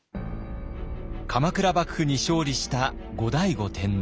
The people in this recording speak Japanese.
鎌倉幕府に勝利した後醍醐天皇。